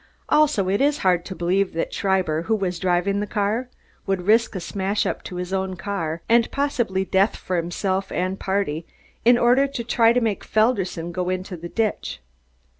Also, it is hard to believe that Schreiber, who was driving the car, would risk a smash up to his own car and possible death for himself and party, in order to try to make Felderson go into the ditch.